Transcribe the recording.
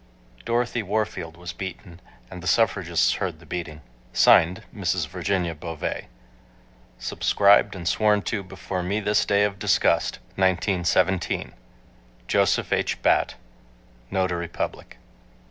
Dorothy Warfield was beaten and the suffragists heard the beating. (Signed) MRS. VIRGINIA BOVEE. Subscribed and sworn to before me this day of disgust, 1917. JOSEPH H. BATT, Notary Public.